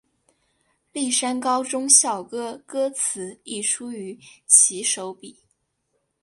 丽山高中校歌歌词亦出于其手笔。